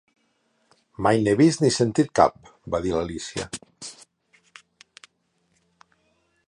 "Mai n'he vist ni sentit cap", va dir l'Alícia.